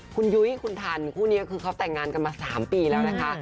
คุณยุ้ยคุณธันคุณเค้าแต่งงานก็มาสามปีแล้วนะคะ